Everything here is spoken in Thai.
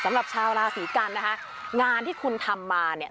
สำหรับชาวราศีกันนะคะงานที่คุณทำมาเนี่ย